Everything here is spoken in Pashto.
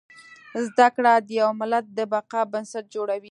زده کړه د يو ملت د بقا بنسټ جوړوي